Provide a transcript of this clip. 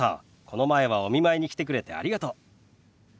この前はお見舞いに来てくれてありがとう。